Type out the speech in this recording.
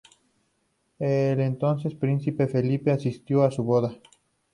El entonces principe Felipe asistió a su boda.